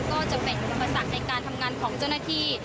ก็จะเป็นอุปสรรคในการทำงานของเจ้าหน้าที่